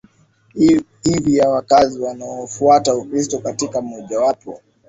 hivi ya wakazi wanafuata Ukristo katika mojawapo